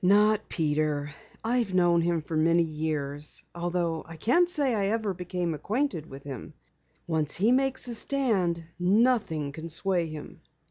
"Not Peter. I've known him for many years, although I can't say I ever became acquainted with him. Once he makes a stand nothing can sway him."